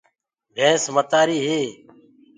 ڀينٚس متآريٚ هي